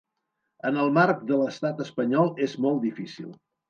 En el marc de l’estat espanyol és molt difícil.